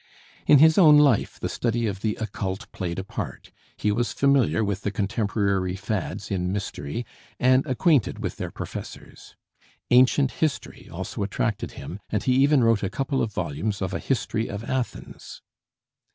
In his own life the study of the occult played a part; he was familiar with the contemporary fads in mystery and acquainted with their professors. "Ancient" history also attracted him, and he even wrote a couple of volumes of a 'History of Athens.'